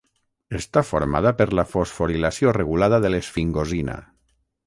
Està formada per la fosforilació regulada de l'esfingosina.